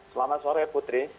selamat sore putri